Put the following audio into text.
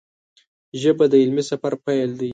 ژبه د علمي سفر پیل دی